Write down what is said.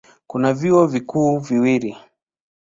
Kuna vyuo vikuu viwili.